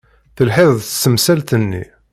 Telhiḍ-d s temsalt-nni.